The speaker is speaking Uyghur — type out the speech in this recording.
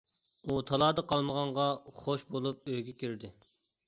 ئۇ تالادا قالمىغانغا خۇش بولۇپ ئۆيگە كىردى.